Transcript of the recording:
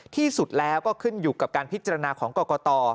ที่สุดแล้วก็ขึ้นอยู่กับการพิจารณาของกรกต